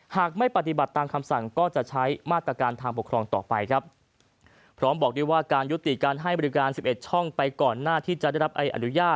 หากไม่ปฏิบัติตามคำสั่งก็จะใช้มาตรการทางปกครองต่อไป